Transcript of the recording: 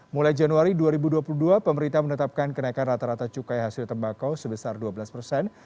mulai januari dua ribu dua puluh dua pemerintah menetapkan kenaikan rata rata cukai hasil tembakau sebesar dua belas persen